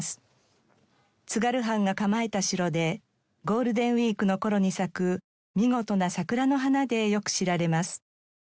津軽藩が構えた城でゴールデンウィークの頃に咲く見事な桜の花でよく知られます。